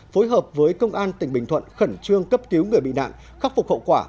phối hợp với công an tỉnh bình thuận khẩn trương cấp cứu người bị nạn khắc phục hậu quả